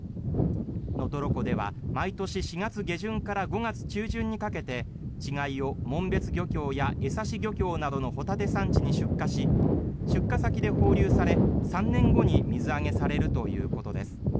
能取湖では毎年４月下旬から５月中旬にかけて稚貝を紋別漁協や枝幸漁協などのホタテ産地に出荷し出荷先で放流され、３年後に水揚げされるということです。